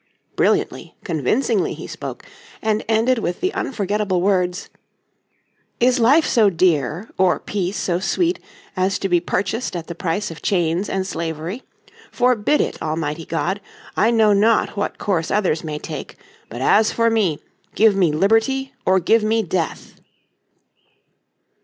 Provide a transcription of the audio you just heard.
Brilliantly, convincingly he spoke, and ended with the unforgettable words: "Is life so dear, or peace so sweet as to be purchased at the price of chains and slavery! Forbid it, Almighty God! I know not what course others may take, but as for me, give me liberty or give me death!"